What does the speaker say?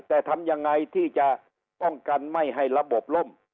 แต่ทำยังไงที่จะป้องกันไม่ให้ระบบล่ม